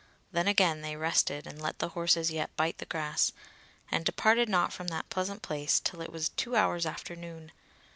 Then again they rested and let the horses yet bite the grass, and departed not from that pleasant place till it was two hours after noon.